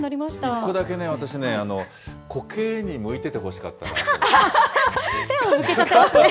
１個だけね、私ね、コケにむいててほしかったなと思って。